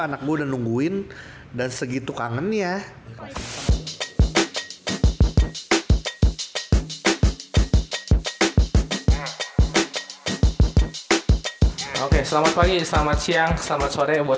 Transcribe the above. anak muda nungguin dan segitu kangen ya oke selamat pagi selamat siang selamat sore buat